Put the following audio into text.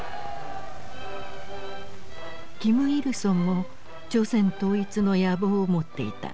金日成も朝鮮統一の野望を持っていた。